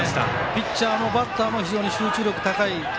ピッチャーもバッターも非常に集中力高い。